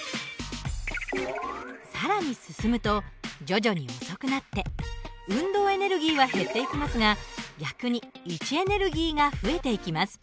更に進むと徐々に遅くなって運動エネルギーは減っていきますが逆に位置エネルギーが増えていきます。